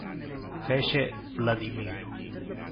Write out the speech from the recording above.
fece Vladimiro.